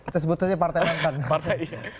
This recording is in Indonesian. tersebut aja partai mantan